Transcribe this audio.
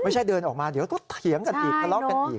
ไม่ใช่เดินออกมาเดี๋ยวเขาเถียงกันอีกก็เลาะกันอีก